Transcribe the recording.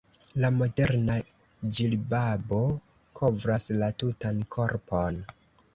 La moderna ĝilbabo kovras la tutan korpon.